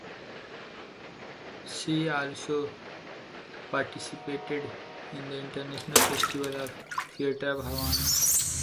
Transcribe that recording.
She also participated in the International Festival of Theater of Havana.